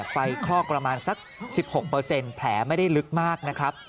คลอกประมาณสัก๑๖แผลไม่ได้ลึกมากนะครับ